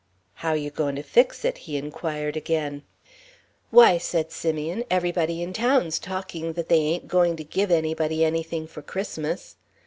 "How you going to fix it?" he inquired again. "Why," said Simeon, "everybody in town's talking that they ain't going to give anybody anything for Christmas.